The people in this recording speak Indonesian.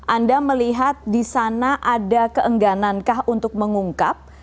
anda melihat di sana ada keengganankah untuk mengungkap